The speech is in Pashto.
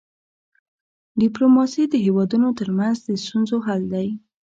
ډيپلوماسي د هيوادونو ترمنځ د ستونزو حل دی.